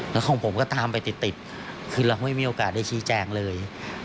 แล้วของผมก็ตามไปติดคือเราไม่มีโอกาสได้ชี้แจงเลย